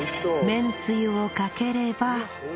めんつゆをかければ